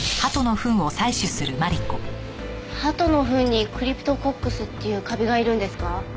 鳩のふんにクリプトコックスっていうカビがいるんですか？